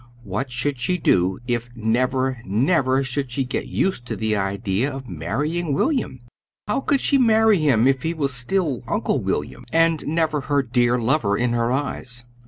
What should she do if never, never should she get used to the idea of marrying William? How could she marry him if he was still "Uncle William," and never her dear lover in her eyes?